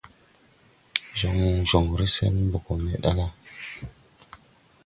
Jon jonre sen mo go me da la.